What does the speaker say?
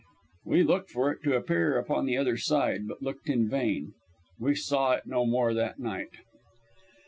We looked for it to appear upon the other side, but looked in vain. We saw it no more that night.